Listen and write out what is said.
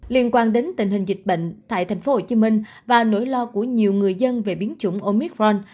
liên quan đến tình hình dịch bệnh tại tp hcm và nỗi lo của nhiều người dân về biến chủng omic ron